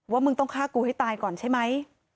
มึงต้องฆ่ากูให้ตายก่อนใช่ไหม